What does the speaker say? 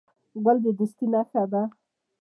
ګل د دوستۍ نښه ده.